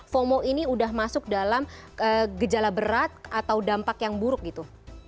fomo ini sudah masuk dalam gejala berat atau dampak yang buruk gitu